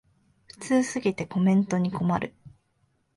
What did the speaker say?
普通すぎてコメントに困る